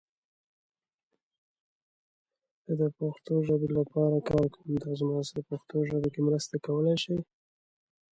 It is the world's largest privately owned online gaming website.